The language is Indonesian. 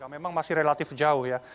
memang masih relatif jauh ya